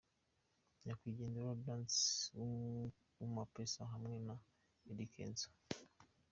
Nyakwigendera Danz Kumapeesa hamwe na Eddy Kenzo.